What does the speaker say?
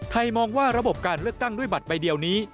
มองว่าระบบการเลือกตั้งด้วยบัตรใบเดียวนี้